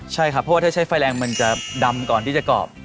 ใช่ครับเพราะว่าถ้าใช้ไฟแรงมันจะดำก่อนที่จะกรอบ